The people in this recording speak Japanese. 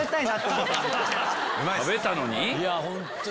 食べたのに？